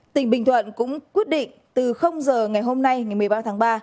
tỉnh bình thuận cũng quyết định từ giờ ngày hôm nay ngày một mươi ba tháng ba